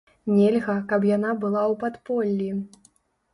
Нельга, каб яна была ў падполлі.